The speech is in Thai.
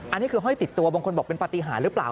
อันนี้คือห้อยติดตัวบางคนบอกเป็นปฏิหารหรือเปล่า